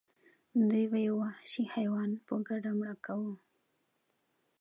دوی به یو وحشي حیوان په ګډه مړه کاوه.